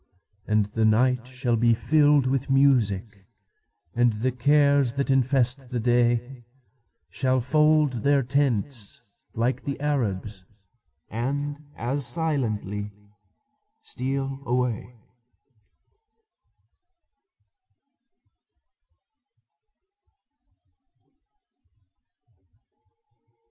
And the night shall be filled with music, And the cares, that infest the day, Shall fold their tents, like the Arabs, And as silently steal away.